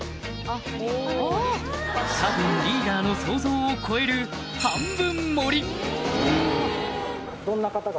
多分リーダーの想像を超えるハハハハ！